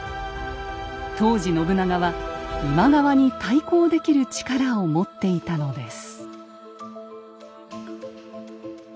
当時信長は今川に対抗できる力を持っていたのです。